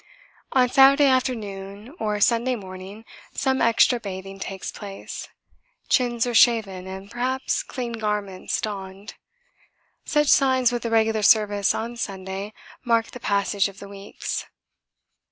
On Saturday afternoon or Sunday morning some extra bathing takes place; chins are shaven, and perhaps clean garments donned. Such signs, with the regular Service on Sunday, mark the passage of the weeks.